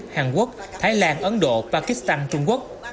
hàn quốc thái lan ấn độ pakistan trung quốc